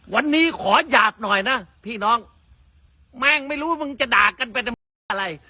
วันนี้ขอหยาบหน่อยนะพี่น้องแม่งไม่รู้มึงจะด่ากันไปทำไมเพราะอะไร